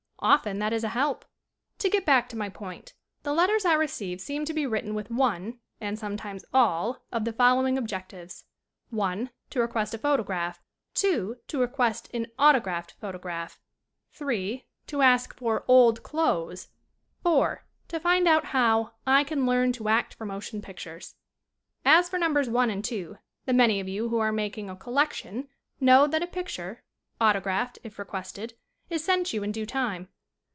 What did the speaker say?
Often that is a help. 18 SCREEN ACTING To get back to my point : The letters I re ceive seem to be written with one, and some times all of the following objectives 1. To request a photograph. 2. To request an autographed photograph. 3. To ask for "old clothes." 4. To find out how "I can learn to act for motion pictures." As for Numbers 1 and 2, the many of you who are making a "collection" know that a pic ture, autographed if requested, is sent you in due time.